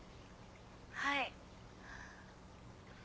はい。